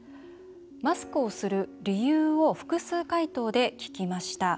マスクをする理由を複数回答で聞きました。